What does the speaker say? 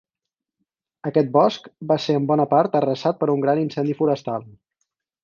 Aquest bosc va ser en bona part arrasat per un gran incendi forestal.